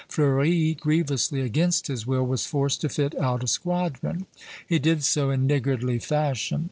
Fleuri, grievously against his will, was forced to fit out a squadron; he did so in niggardly fashion."